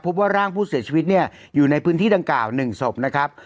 ว่าร่างผู้เสียชีวิตเนี่ยอยู่ในพื้นที่ดังกล่าว๑ศพนะครับ